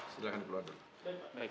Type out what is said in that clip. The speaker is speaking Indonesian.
silahkan keluar dulu